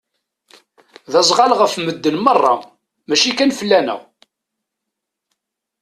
D azɣal ɣef madden meṛṛa mačči kan fell-aneɣ.